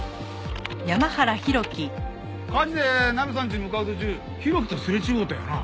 火事でナミさんちに向かう途中浩喜とすれ違うたよな？